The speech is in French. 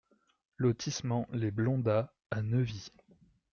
Lotissement Les Blondats à Neuvy